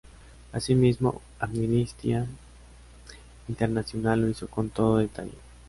Así mismo Amnistía Internacional lo hizo con todo detalle.